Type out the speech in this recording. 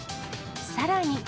さらに。